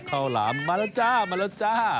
หลามมาแล้วจ้ามาแล้วจ้า